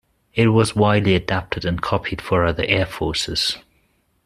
It was widely adapted and copied for other airforces.